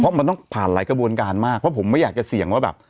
เพราะมันต้องผ่านหลายกระบวนการมากเพราะผมไม่อยากจะเสี่ยงว่าแบบ